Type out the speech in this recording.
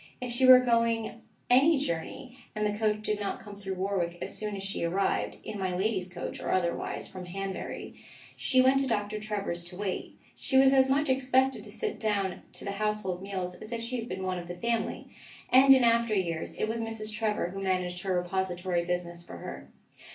If she were going any journey, and the coach did not come through Warwick as soon as she arrived (in my lady's coach or otherwise) from Hanbury, she went to Doctor Trevor's to wait. She was as much expected to sit down to the household meals as if she had been one of the family: and in after years it was Mrs. Trevor who managed her repository business for her.